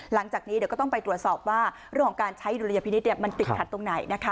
หลังจากนี้เดี๋ยวก็ต้องไปตรวจสอบว่าเรื่องของการใช้ดุลยพินิษฐ์มันติดขัดตรงไหนนะคะ